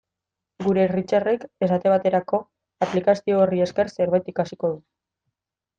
Gure Richardek, esate baterako, aplikazio horri esker zerbait ikasiko du.